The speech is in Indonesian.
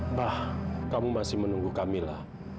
mbah kamu masih menunggu camilla